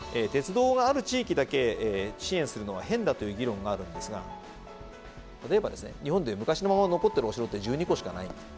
鉄道がある地域だけ支援するのは変だという議論があるんですが例えばですね日本で昔のまま残ってるお城って１２個しかない。